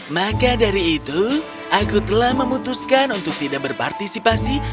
maka dari itu aku telah memutuskan untuk tidak berpartisipasi